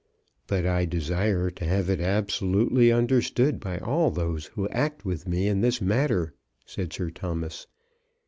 "But I desire to have it absolutely understood by all those who act with me in this matter," said Sir Thomas.